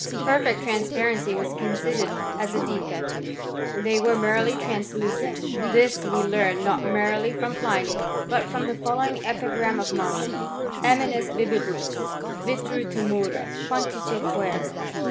Perfect transparency was considered as a defect, they were merely translucent; this we learn not merely frora Pliny, but from the following epigram of IWartial : Nob bibimus vitro, tu tnurrH, Pantice : qunre